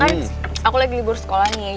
kan aku lagi libur sekolah nih